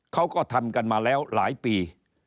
เขาก็ทำกันมาแล้วหลายปี